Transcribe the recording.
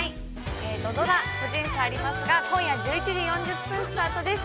◆土ドラ「個人差あります」は今夜１１時４０分スタートです。